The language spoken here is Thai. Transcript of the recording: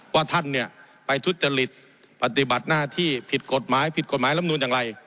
ว่าท่านเนี่ยไปทุจริตปฏิบัติหน้าที่ผิดกฎหมายผิดกฎหมายลำนูนอย่างไร